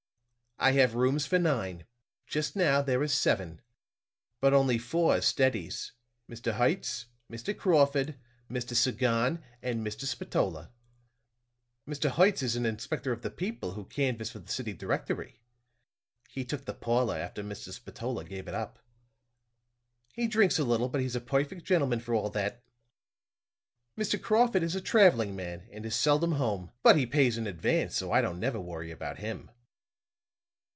"I have rooms for nine. Just now there are seven. But only four are steadies Mr. Hertz, Mr. Crawford, Mr. Sagon and Mr. Spatola. Mr. Hertz is an inspector of the people who canvass for the city directory; he took the parlor after Mr. Spatola gave it up. He drinks a little, but he's a perfect gentleman for all that. Mr. Crawford is a traveling man, and is seldom home; but he pays in advance, so I don't never worry about him.